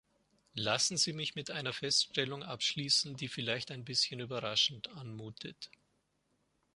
Lassen Sie mich mit einer Feststellung abschließen, die vielleicht ein bisschen überraschend anmutet.